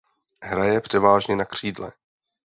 Hraje převážně na křídle.